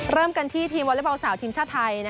เริ่มกันที่ทีมวอเล็กบอลสาวทีมชาติไทย